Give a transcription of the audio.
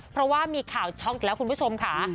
เพราะว่ามีข่าวช็อกอีกแล้วคุณผู้ชมค่ะ